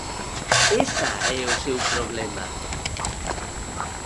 Esa é o seu problema.